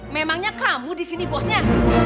memangnya kamu disini bosnya